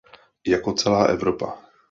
Jako celá Evropa.